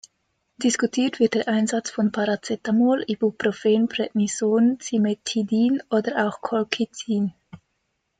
Diskutiert wird der Einsatz von Paracetamol, Ibuprofen, Prednison, Cimetidin oder auch Colchicin.